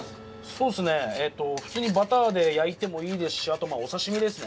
そうですねえっと普通にバターで焼いてもいいですしあとまあお刺身ですね。